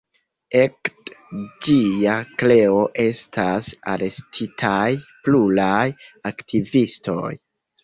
Ekde ĝia kreo estas arestitaj pluraj aktivistoj.